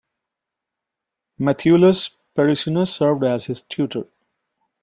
Matheolus Perusinus served as his tutor.